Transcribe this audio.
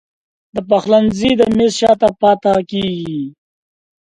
د پخلنځي د میز شاته پاته کیږې